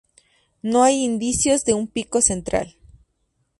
No hay indicios de un pico central.